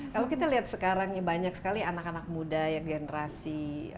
kalau kita lihat sekarang ya banyak sekali anak anak muda ya generasi